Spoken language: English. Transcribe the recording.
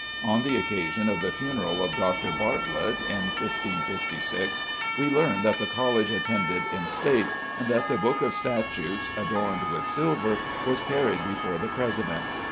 On the occasion of the funeral of Dr. Bartlot, in 1556, we learn that the College attended in state, and that the Book of Statutes, adorned with silver, was carried before the president.